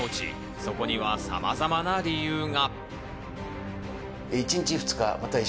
そこにはさまざまな理由が。